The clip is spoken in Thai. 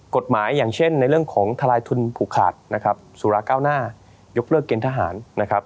อย่างเช่นในเรื่องของทลายทุนผูกขาดนะครับสุราเก้าหน้ายกเลิกเกณฑหารนะครับ